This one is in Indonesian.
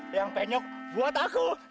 yang penyok buat aku